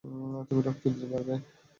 তুমি রক্ত দিতে পারবে।